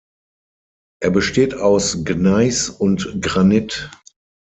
Er besteht aus Gneis und Granit.